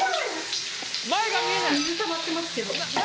みずたまってますけど。